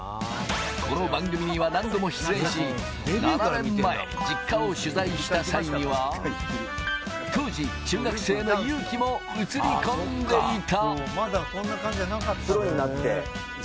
この番組には何度も出演し、７年前、実家を取材した際には、当時、中学生の有希も映り込んでいた。